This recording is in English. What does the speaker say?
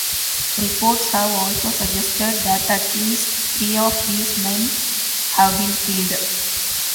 Reports have also suggested that at least three of these men have been killed.